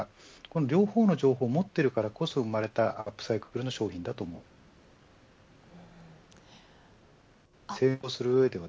両方の情報を持っているからこそ生まれたアップサイクルの商品だと思います。